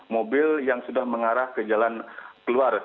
mobil yang sudah mengarah ke jalan keluar